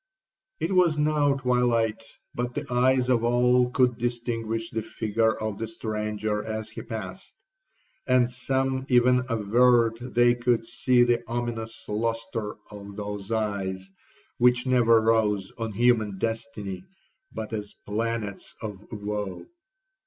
'It was now twilight, but the eyes of all could distinguish the figure of the stranger as he passed; and some even averred they could see the ominous lustre of those eyes which never rose on human destiny but as planets of woe.